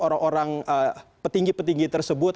orang orang petinggi petinggi tersebut